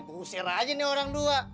pengusir aja nih orang dua